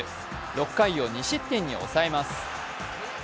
６回を２失点に抑えます。